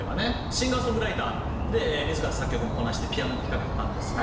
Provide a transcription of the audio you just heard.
シンガーソングライターで自ら作曲もこなしてピアノも弾かれてたんですが。